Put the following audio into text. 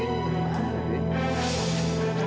gimana tuh dia